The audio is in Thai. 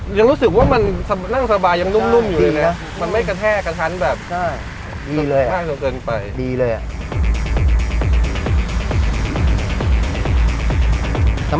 ยังรู้สึกว่ามันนั่งสบายยังนุ่มอยู่เลยนะ